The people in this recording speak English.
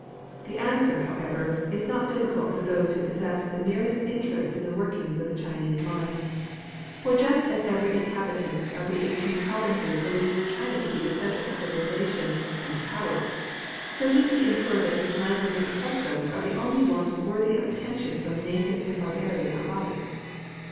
The answer, however, is not difficult for those who possess the merest insight into the workings of the Chinese mind ; for just as every inhabitant of the eighteen provinces believes China to be the centre of civilisation and power, so does he infer that his language and customs are the only ones worthy of attention from native and barbarian alike.